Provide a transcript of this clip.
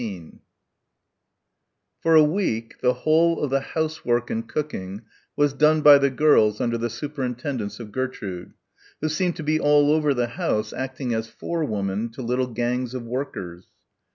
18 For a week the whole of the housework and cooking was done by the girls under the superintendence of Gertrude, who seemed to be all over the house acting as forewoman to little gangs of workers.